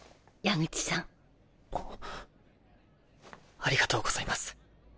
ありがとうございます。